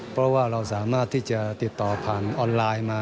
เพราะว่าเราสามารถที่จะติดต่อผ่านออนไลน์มา